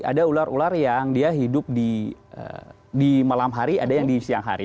ada ular ular yang dia hidup di malam hari ada yang di siang hari